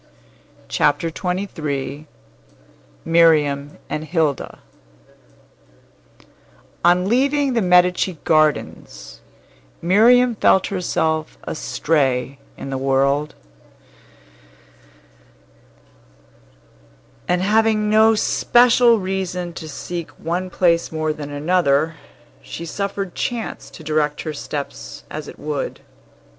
CHAPTER XXIII MIRIAM AND HILDA On leaving the Medici Gardens Miriam felt herself astray in the world; and having no special reason to seek one place more than another, she suffered chance to direct her steps as it would.